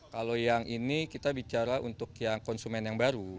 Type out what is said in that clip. kalau yang ini kita bicara untuk yang konsumen yang baru